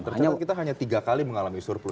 ternyata kita hanya tiga kali mengalami surplus